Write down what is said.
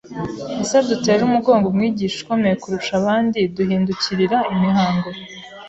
Ese dutere umugongo Umwigisha ukomeye kurusha abandi duhindukirira imihango,